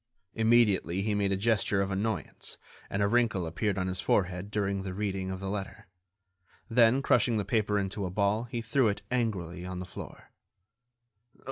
Immediately, he made a gesture of annoyance, and a wrinkle appeared on his forehead during the reading of the letter; then, crushing the paper into a ball, he threw it, angrily, on the floor.